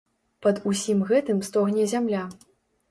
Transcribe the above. Пад усім гэтым стогне зямля.